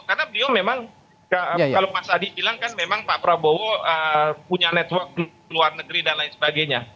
karena beliau memang kalau pak sadi bilang kan memang pak prabowo punya network luar negeri dan lain sebagainya